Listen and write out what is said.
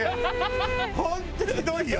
本当ひどいよ